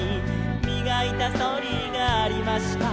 「みがいたそりがありました」